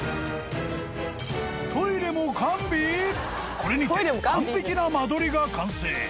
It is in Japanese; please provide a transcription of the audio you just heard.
［これにて完璧な間取りが完成］